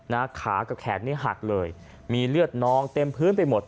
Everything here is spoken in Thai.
ขากับแขนนี้หักเลยมีเลือดนองเต็มพื้นไปหมด